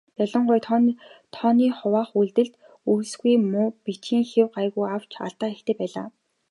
Ялангуяа тооны хуваах үйлдэлд үйлсгүй муу, бичгийн хэв гайгүй авч алдаа ихтэй байлаа.